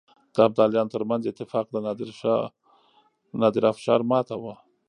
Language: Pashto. د ابدالیانو ترمنځ اتفاق د نادرافشار ماته وه.